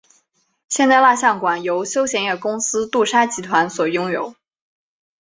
现在蜡像馆由休闲业公司杜莎集团所拥有。